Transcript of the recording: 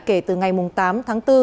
kể từ ngày tám tháng bốn